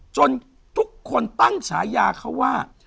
จนทุกคนตั้งฉายาเขาว่า